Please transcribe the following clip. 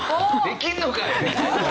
できんのかい！